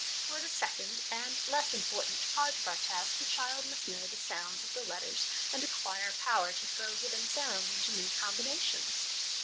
For the second, and less important, part of our task, the child must know the sounds of the letters, and acquire power to throw given sounds into new combinations.